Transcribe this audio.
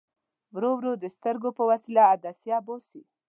ورو ورو د سترګو په وسیله عدسیه باسي.